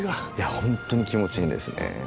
ホントに気持ちいいんですね。